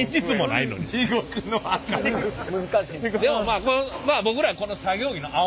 でもまあこの僕らの作業着の青。